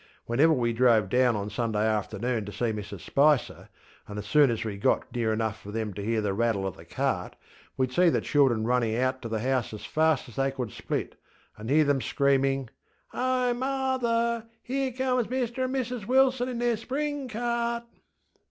Whenever we drove down on Sunday afternoon to see Mrs Spicer, and as soon as we got near enough for them to hear the rattle of the cart, weŌĆÖd see the children running to the house as fast as they could split, and hear them screamingŌĆö ŌĆśOh, marther! Here comes Mr and Mrs Wilson in their spring cart.